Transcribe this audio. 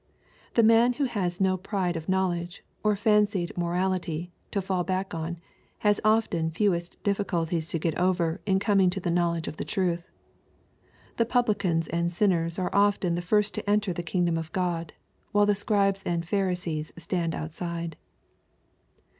The man who has no pride of knowledge, or fancied morality, to fall back on, has often fewest difficulties to get over in coming to the knowledge of the truth. The publicans and sinners are often the first to enter the kingdom of God, while the Scribes and Pharisees stand outside.